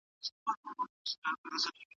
عبدالله بن عمر پر لاره روان دی.